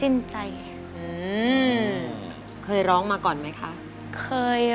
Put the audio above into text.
อินโทรเพลงที่๓มูลค่า๔๐๐๐๐บาทมาเลยครับ